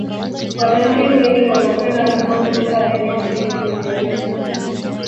Watalii wengi wanapenda mno kufika eneo hili kujionea